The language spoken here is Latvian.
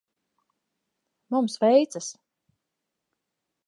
Mums veicas.